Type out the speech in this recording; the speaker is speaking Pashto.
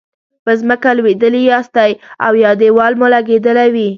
په ځمکه لویدلي یاستئ او یا دیوال مو لګیدلی وي.